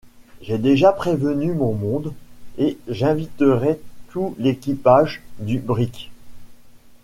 J’ai déjà prévenu mon monde, et j’inviterai tout l’équipage du brick!